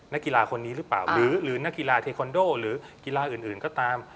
นักกีฬาคนนี้หรือเปล่าหรือนักกีฬาเทคอนโดหรือกีฬาอื่นก็ตาม